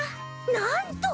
なんと！